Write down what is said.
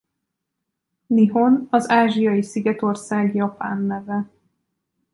Nihon az ázsiai szigetország japán neve.